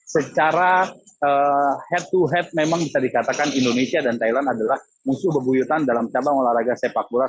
secara head to head memang bisa dikatakan indonesia dan thailand adalah musuh bebuyutan dalam cabang olahraga sepak bola